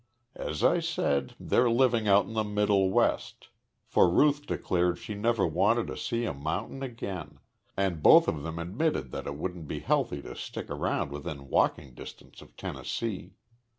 As I said, they're living out in the Middle West, for Ruth declared she never wanted to see a mountain again, and both of them admitted that it wouldn't be healthy to stick around within walking distance of Tennessee.